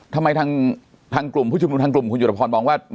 ทำไมทางกลุ่มผู้ชุมนุมทางกลุ่มคุณหยุดพรบอกว่า